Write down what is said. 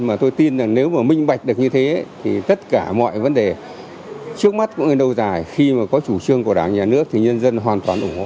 mà tôi tin là nếu mà minh mạnh được như thế thì tất cả mọi vấn đề trước mắt của người đầu giải khi mà có chủ trương của đảng nhà nước thì nhân dân hoàn toàn ủng hộ